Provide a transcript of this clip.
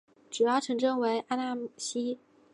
主要城镇为阿讷西。